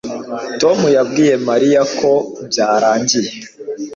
Tom yabwiye Mariya ko byarangiye